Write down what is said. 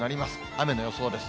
雨の予想です。